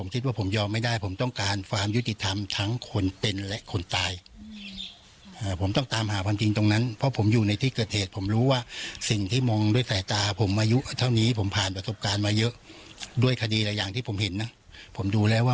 คิดว่าผมต้องตามความยุทิศที่ทำให้น้องผม